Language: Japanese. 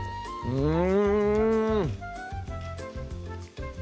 うん！